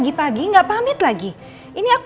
dimana nih teman teman mukanya